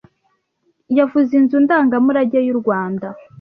yavuze Inzu Ndangamurage y’u Rwanda